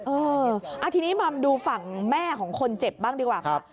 เออทีนี้มาดูฝั่งแม่ของคนเจ็บบ้างดีกว่าค่ะ